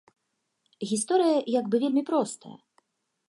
Гісторыя як бы вельмі простая.